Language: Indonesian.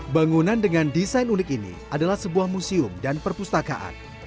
bangunan dengan desain unik ini adalah sebuah museum dan perpustakaan